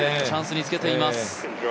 チャンスにつけています